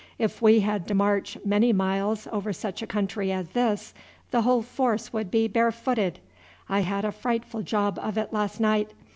If we had to march many miles over such a country as this the whole force would be barefooted. I had a frightful job of it last night.